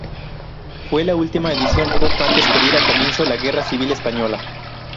Fue la última edición poco antes que diera comienzo la Guerra Civil Española.